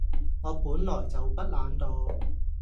我本來就不懶惰